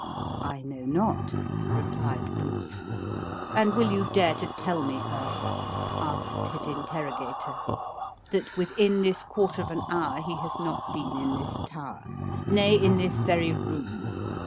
"I know not," replied Bruce. "And will you dare to tell me, earl," asked his interrogator, "that within this quarter of an hour he has not been in this tower? nay, in this very room?